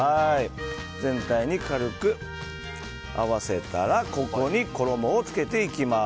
全体に軽く合わせたらここに衣をつけていきます。